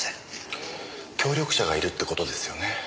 協力者がいるってことですよね。